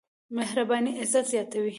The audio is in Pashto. مهرباني عزت زياتوي.